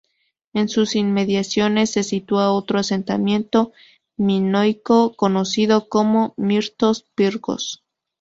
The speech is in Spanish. En sus inmediaciones se sitúa otro asentamiento minoico conocido como Mirtos-Pirgos.